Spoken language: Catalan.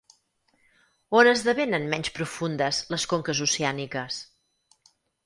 On esdevenen menys profundes les conques oceàniques?